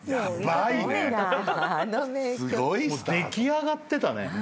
出来上がってたね。